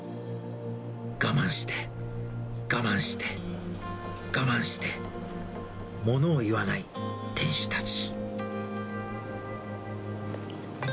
我慢して、我慢して、我慢して、物を言わない店主たち。